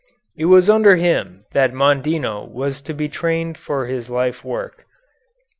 It was under him that Mondino was to be trained for his life work.